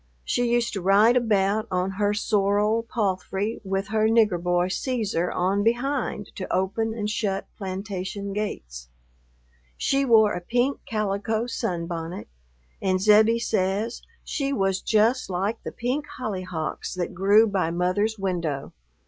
She used to ride about on her sorrel palfrey with her "nigger" boy Cæsar on behind to open and shut plantation gates. She wore a pink calico sunbonnet, and Zebbie says "she was just like the pink hollyhocks that grew by mother's window."